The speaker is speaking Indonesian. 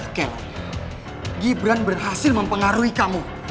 oke gibran berhasil mempengaruhi kamu